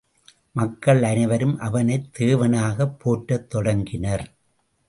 மக்கள் அனைவரும் அவனைத் தேவனாகப் போற்றத் தொடங்கினர்.